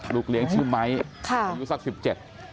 ลูกเลี้ยงชื่อไหมยูสัก๑๗ค่ะค่ะ